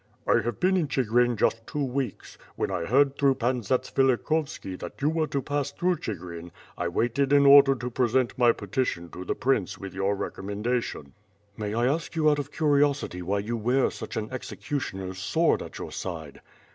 "I have been in Chigrin just two weeks. When I heard through Pan ZatsvilikovsKi that you were to pass through Chigrin, I waited in order to present my petition to the Prince with your recommendation." "May I ask you out of curiosity why you wear such an executioner's sword at your side?"